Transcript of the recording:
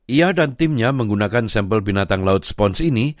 ia dan timnya menggunakan sampel binatang laut sponge ini